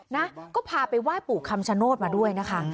นะก็พาไปไหว้ปู่คำชโนธมาด้วยนะคะ